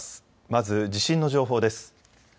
まず地震の情報です。